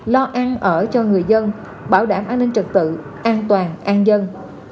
lo ăn ở cho người dân bảo đảm an ninh trật tự an toàn an dân